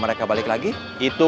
saya minta bantuan sama asep